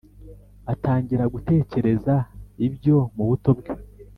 atangira gutekereza ibyo mu buto bwe.